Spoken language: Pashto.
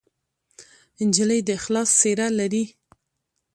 نجلۍ د اخلاص څېره لري.